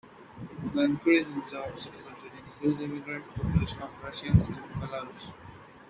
The increase in jobs resulted in a huge immigrant population of Russians in Belarus.